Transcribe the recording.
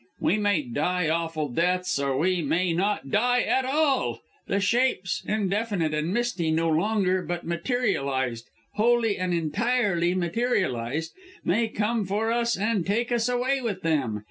We may die awful deaths or we may not die AT ALL the shapes, indefinite and misty no longer, but materialized wholly and entirely materialized may come for us and take us away with them!